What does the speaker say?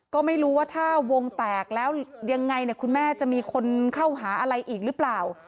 ก็ไม่รู้ว่าถ้าวงแตกแล้วยังไงคุณแม่จะมีคนเข้าหาอะไรอีกหรือเปล่า